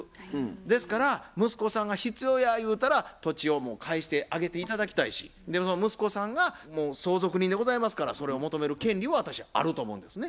ですから息子さんが「必要や」言うたら土地をもう返してあげて頂きたいしその息子さんがもう相続人でございますからそれを求める権利は私あると思うんですね。